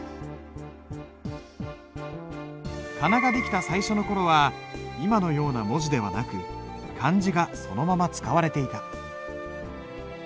仮名が出来た最初の頃は今のような文字ではなく漢字がそのまま使われていた。